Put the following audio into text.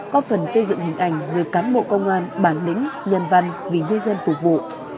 có phần xây dựng hình ảnh người cán bộ công an bản lĩnh nhân văn vì nhân dân phục vụ